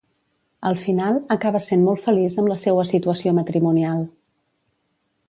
Al final, acaba sent molt feliç amb la seua situació matrimonial.